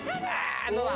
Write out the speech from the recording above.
どうだ？